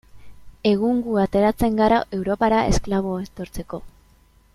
Egun gu ateratzen gara Europara esklabo etortzeko.